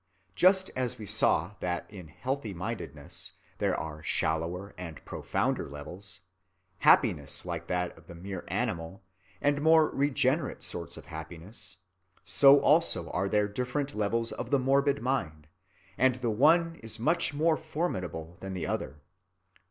Just as we saw that in healthy‐mindedness there are shallower and profounder levels, happiness like that of the mere animal, and more regenerate sorts of happiness, so also are there different levels of the morbid mind, and the one is much more formidable than the other.